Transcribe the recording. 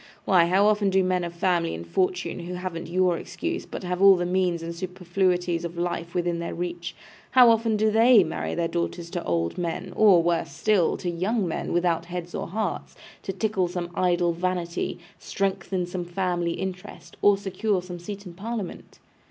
Why, how often do men of family and fortune, who haven't your excuse, but have all the means and superfluities of life within their reach, how often do they marry their daughters to old men, or (worse still) to young men without heads or hearts, to tickle some idle vanity, strengthen some family interest, or secure some seat in Parliament!